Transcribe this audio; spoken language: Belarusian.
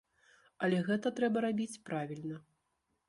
Але гэта трэба рабіць правільна.